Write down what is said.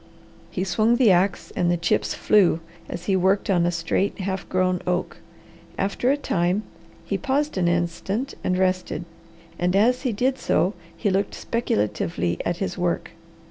He swung the ax and the chips flew as he worked on a straight half grown oak. After a time he paused an instant and rested, and as he did so he looked speculatively at his work.